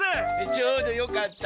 ちょうどよかった！